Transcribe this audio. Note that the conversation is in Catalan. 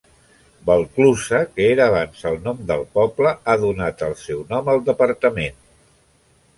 Valclusa, que era abans el nom del poble, ha donat el seu nom al departament.